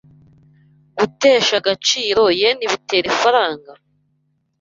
Gutesha agaciro yen bitera ifaranga?